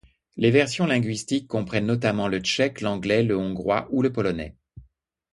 Les versions linguistiques comprennent notamment le tchèque, l'anglais, le hongrois, ou le polonais.